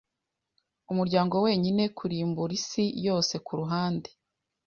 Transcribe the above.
Umuryango wenyine Kurimbura Isi yose kuruhande